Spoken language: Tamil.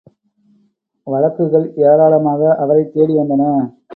வழக்குகள் ஏராளமாக அவரைத் தேடிவந்தன.